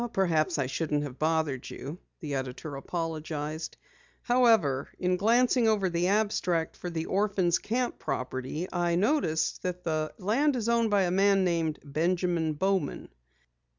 "Perhaps I shouldn't have bothered you," the editor apologized. "However, in glancing over the abstract for the Orphans' Camp property I noticed that the land is owned by a man named Benjamin Bowman."